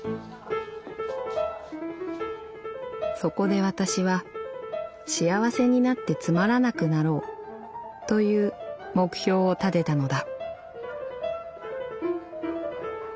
「そこで私は幸せになってつまらなくなろうという目標を立てたのだ」。